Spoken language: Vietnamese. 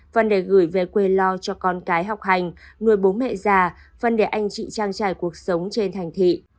phần để gửi về quê lo cho con cái học hành nuôi bố mẹ già phần để anh chị trang trải cuộc sống trên thành thị